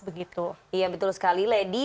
betul sekali lady